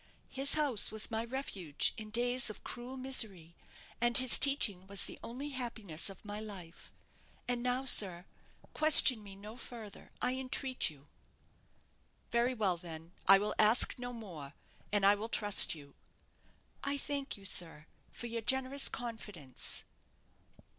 His house was my refuge in days of cruel misery, and his teaching was the only happiness of my life. And now, sir, question me no further, I entreat you." "Very well, then, I will ask no more; and I will trust you." "I thank you, sir, for your generous confidence."